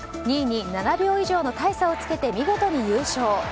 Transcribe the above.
２位に７秒以上の大差をつけて見事に優勝。